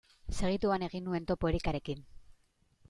Segituan egin nuen topo Erikarekin.